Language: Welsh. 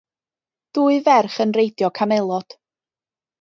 dwy ferch yn reidio camelod.